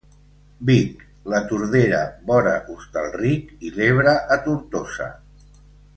Vic, la Tordera vora Hostalric i l'Ebre a Tortosa.